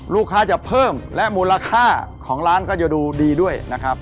ลูกค้าจะเพิ่มและมูลค่าของร้านก็จะดูดีด้วยนะครับ